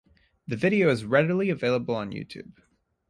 The video is readily available on YouTube.